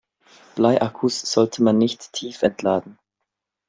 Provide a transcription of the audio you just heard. Bleiakkus sollte man nicht tiefentladen.